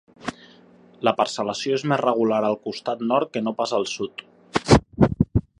La parcel·lació és més regular al costat nord que no pas al sud.